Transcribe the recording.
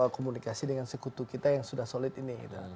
komunikasi dengan sekutu kita yang sudah solid ini